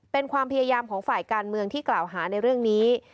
เป็นความพยายามของฝ่ายการเมืองที่กล่าวหาในเรื่องนี้